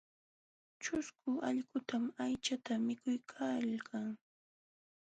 Ćhusku allqukunam aychata mikuykalkan.